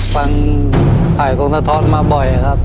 ฟังภัยพงษธรมาบ่อยครับ